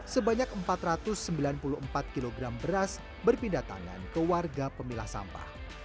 sebanyak empat ratus sembilan puluh empat kg beras berpindah tangan ke warga pemilah sampah